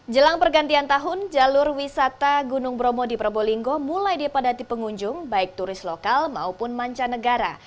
jelang pergantian tahun jalur wisata gunung bromo di probolinggo mulai dipadati pengunjung baik turis lokal maupun mancanegara